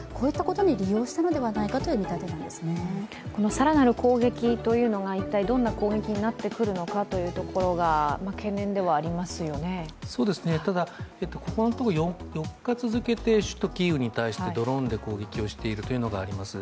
更なる攻撃というのが一体どんな攻撃になってくるのかがここのところ４日続けて首都・キーウに対してドローンで攻撃しているというのがあります。